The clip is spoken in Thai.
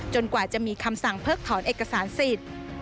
กว่าจะมีคำสั่งเพิกถอนเอกสารสิทธิ์